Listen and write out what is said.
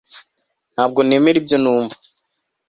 Ntabwo nemera ibyo numva